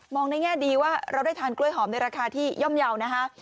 ในแง่ดีว่าเราได้ทานกล้วยหอมในราคาที่ย่อมเยาว์นะคะ